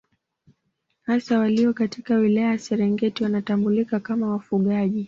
Hasa walio katika wilaya ya Serengeti wanatambulika kama wafugaji